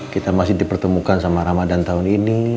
kita masih dipertemukan sama ramadan tahun ini